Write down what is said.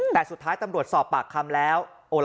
แต่สุดท้ายตำรวจสอบปากคำแล้ว